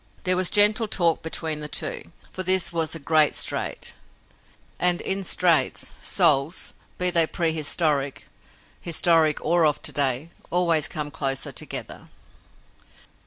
There was gentle talk between the two, for this was a great strait and, in straits, souls, be they prehistoric, historic or of to day, always come closer together.